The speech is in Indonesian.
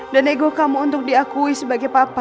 dan ego kamu untuk diakui sebagai papa